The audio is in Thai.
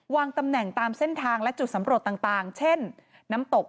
ตำแหน่งตามเส้นทางและจุดสำรวจต่างเช่นน้ำตก